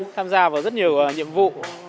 tham gia vào rất nhiều nhiệm vụ